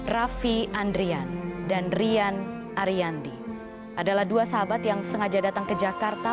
raffi andrian dan rian ariyandi adalah dua sahabat yang sengaja datang ke jakarta